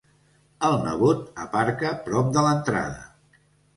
El nebot aparca prop de l'entrada.